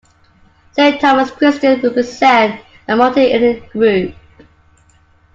Saint Thomas Christians represent a multi ethnic group.